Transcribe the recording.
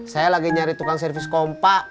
saya lagi nyari tukang servis kompak